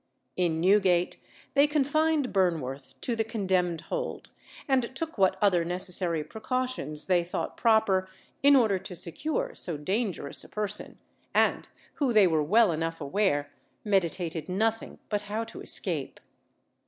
In Newgate they confined Burnworth to the Condemned Hold, and took what other necessary precautions they thought proper in order to secure so dangerous a person, and who they were well enough aware meditated nothing but how to escape.